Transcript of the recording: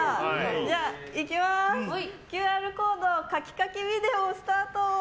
ではいきます、ＱＲコード書き書きビデオスタート！